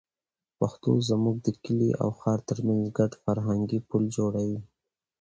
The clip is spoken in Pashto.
پښتو زموږ د کلي او ښار تر منځ ګډ فرهنګي پُل جوړوي.